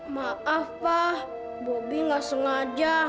maaf pak bobby gak sengaja